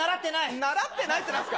習ってないってなんですか。